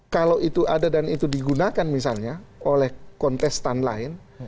kalau itu ada dan itu digunakan misalnya oleh kontestan lain